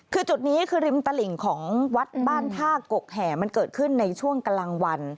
คือจุดนี้คือริมตลิ่งของวัดบ้านท่ากกแห่มันเกิดขึ้นในช่วงกลางวัน